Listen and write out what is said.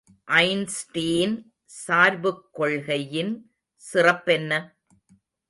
Einstein சார்புக் கொள்கையின் சிறப்பென்ன?